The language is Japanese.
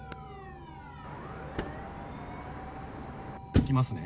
行きますね。